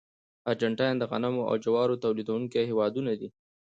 ارجنټاین د غنمو او جوارو تولیدونکي هېوادونه دي.